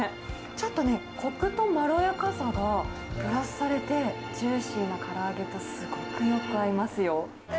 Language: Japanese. ちょっとね、こくとまろやかさがプラスされて、ジューシーなから揚げとすごくよく合いますよ。